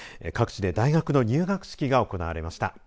各地で大学の入学式が行われました。